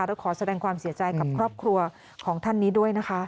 แล้วขอแสดงความเสียใจกับครอบครัวของท่านนี้ด้วยนะคะ